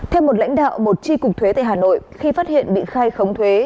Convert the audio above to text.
theo một lãnh đạo một tri cục thuế tại hà nội khi phát hiện bị khai khống thuế